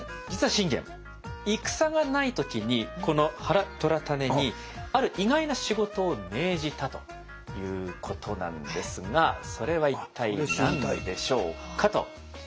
実は信玄戦がない時にこの原虎胤にある意外な仕事を命じたということなんですがそれは一体何でしょうかと。